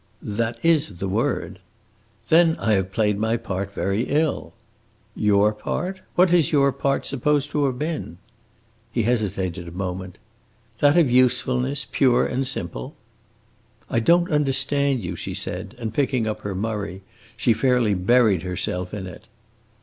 "That is the word." "Then I have played my part very ill." "Your part? What is your part supposed to have been?" He hesitated a moment. "That of usefulness, pure and simple." "I don't understand you!" she said; and picking up her Murray, she fairly buried herself in it.